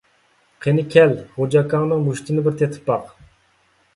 قېنى كەل، غوجا ئاكاڭنىڭ مۇشتتىنى بىر تېتىپ باق!